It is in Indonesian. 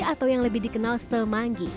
atau yang lebih dikenal semanggi